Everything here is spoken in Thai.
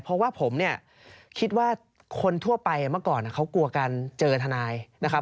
เพราะว่าผมเนี่ยคิดว่าคนทั่วไปเมื่อก่อนเขากลัวการเจอทนายนะครับ